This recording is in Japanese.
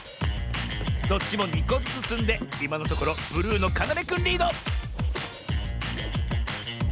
⁉どっちも２こずつつんでいまのところブルーのかなめくんリード！